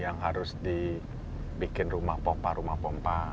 yang harus dibikin rumah pompa rumah pompa